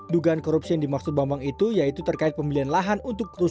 dugaan korupsi yang dimaksud bambang itu yaitu terkait pembelian lahan untuk perusahaan